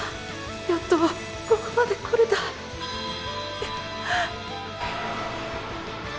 やっとここまで来れたうっ！